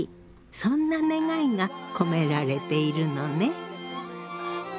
そんな願いが込められているのね。